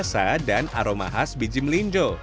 rasa dan aroma khas biji melinjo